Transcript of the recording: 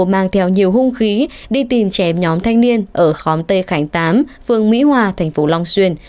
mang theo nhiều hung khí đi tìm chém nhóm thanh niên ở khóm tê khánh tám phường mỹ hòa thành phố long xuyên